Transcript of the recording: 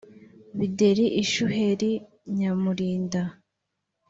Bideri Ishuheri Nyamurinda